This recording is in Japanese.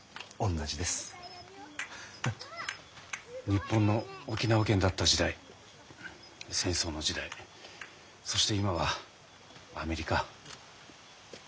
日本の沖縄県だった時代戦争の時代そして今はアメリカ。